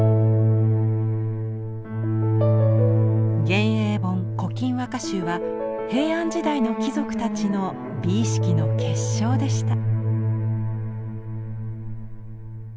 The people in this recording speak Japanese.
「元永本古今和歌集」は平安時代の貴族たちの美意識の結晶でした。